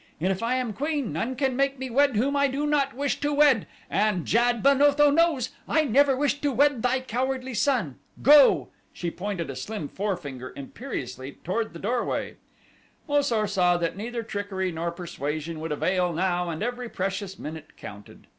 And if I am queen none can make me wed whom I do not wish to wed and Jad ben Otho knows I never wished to wed thy cowardly son. Go!" She pointed a slim forefinger imperiously toward the doorway. Mo sar saw that neither trickery nor persuasion would avail now and every precious minute counted.